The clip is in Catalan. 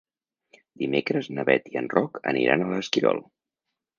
Dimecres na Bet i en Roc aniran a l'Esquirol.